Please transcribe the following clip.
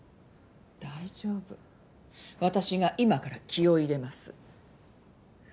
大丈夫私が今から気を入れます。